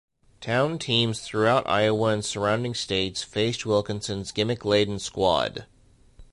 Town teams throughout Iowa and surrounding states faced Wilkinson's gimmick-laden squad.